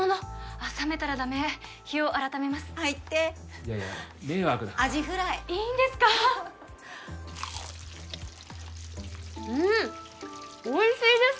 あっ冷めたらダメ日を改めます入っていやいや迷惑だからアジフライいいんですかうんっおいしいです！